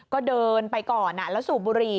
ก็เดินไปก่อนแล้วสูบบุหรี่